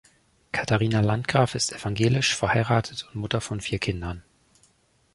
Katharina Landgraf ist evangelisch, verheiratet und Mutter von vier Kindern.